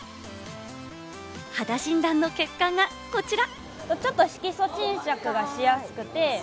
肌診断の結果がこちら。